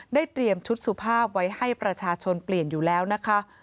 เตรียมชุดสุภาพไว้ให้ประชาชนเปลี่ยนอยู่แล้วนะคะ